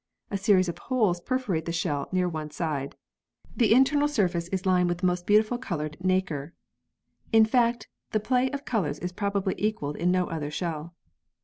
A series of holes perforate the shell near one side. The internal surface is lined with most beautifully coloured nacre. In fact the play of colours is probably equalled in no other shell.